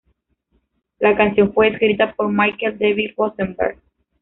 La canción fue escrita por Michael David Rosenberg.